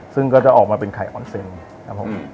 ซึ่งก็จะออกมาเป็นไข่ออนเซนครับผม